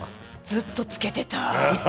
ずっとつけてた。